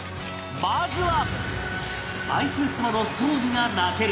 まずは